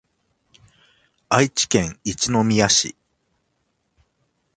愛知県一宮市